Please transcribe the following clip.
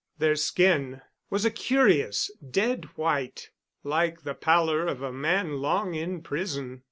Their skin was a curious, dead white like the pallor of a man long in prison.